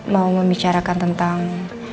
mau membicarakan tentang